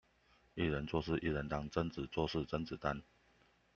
一人做事一人擔，貞子做事甄子丹